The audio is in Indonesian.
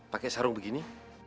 pake sarung begini